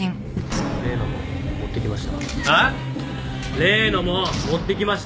例のもの持ってきました？